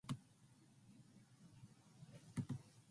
His primary residence is in Brooklyn, New York.